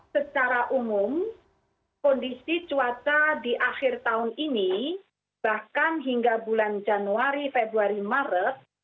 secara umum kondisi cuaca di akhir tahun ini bahkan hingga bulan januari februari maret